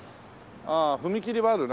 ああ踏切もあるな。